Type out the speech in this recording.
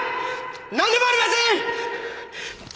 何でもありません！